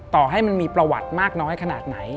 ต่อให้มันมีประวัติมากน้อยขนาดไหน